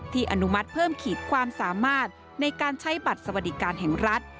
อนุมัติเพิ่มขีดความสามารถในการใช้บัตรสวัสดิการแห่งรัฐ